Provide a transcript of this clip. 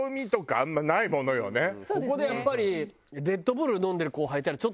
ここでやっぱり。